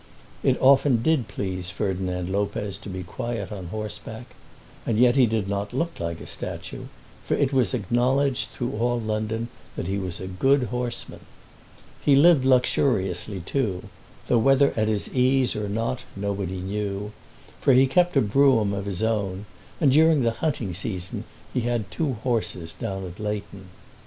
It often did please Ferdinand Lopez to be quiet on horseback; and yet he did not look like a statue, for it was acknowledged through all London that he was a good horseman. He lived luxuriously too, though whether at his ease or not nobody knew, for he kept a brougham of his own, and during the hunting season he had two horses down at Leighton.